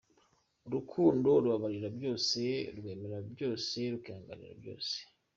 Urukundo rubabarira byose, rwemera byose, rukihanganira byose.